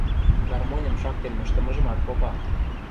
Гармоньым шактен мыштымыжымат попа.